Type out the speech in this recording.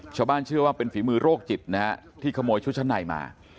ชาวบ้านเชื่อว่าเป็นฝีมือโรคจิตนะฮะที่ขโมยชุดชั้นในมา